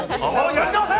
やり直せ！